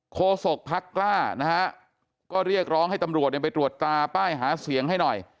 โศกพักกล้านะฮะก็เรียกร้องให้ตำรวจไปตรวจตราป้ายหาเสียงให้หน่อย